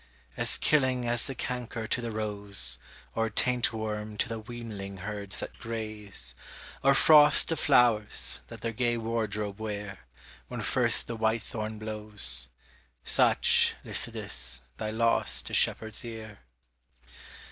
As killing as the canker to the rose, Or taint worm to the weanling herds that graze, Or frost to flowers, that their gay wardrobe wear, When first the white thorn blows; Such, Lycidas, thy loss to shepherd's ear.